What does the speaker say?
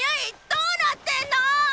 どうなってんの？